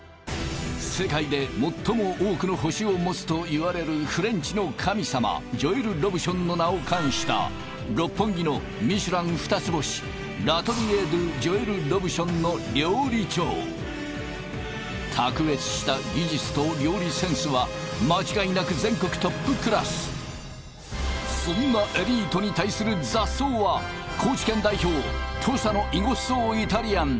世界で最も多くの星を持つといわれるフレンチの神様ジョエル・ロブションの名を冠した六本木のミシュラン二つ星ラトリエドゥジョエル・ロブションの卓越した技術と料理センスは間違いなく全国トップクラスそんなエリートに対する雑草は高知県代表土佐のいごっそうイタリアン